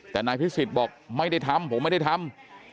แต่นายพิสิทธิ์บอกไม่ได้ทำผมไม่ได้ทำ